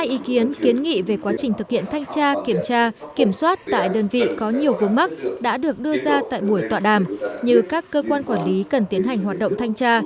một mươi ý kiến kiến nghị về quá trình thực hiện thanh tra kiểm tra kiểm soát tại đơn vị có nhiều vướng mắt đã được đưa ra tại buổi tọa đàm như các cơ quan quản lý cần tiến hành hoạt động thanh tra